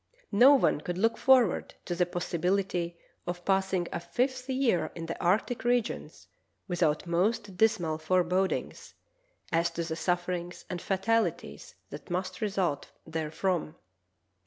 No one could look forward to the possibility of passing a fifth year in the arctic regions without most dismal forebodings as to the sufferings and fatalities that must result therefrom.